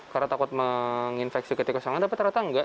karena takut menginfeksi ke tikus yang lain tapi ternyata tidak